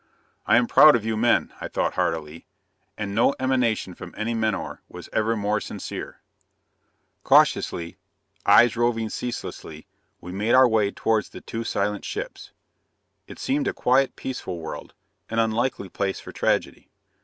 "I am proud of you men!" I thought heartily: and no emanation from any menore was ever more sincere. Cautiously, eyes roving ceaselessly, we made our way towards the two silent ships. It seemed a quiet, peaceful world: an unlikely place for tragedy.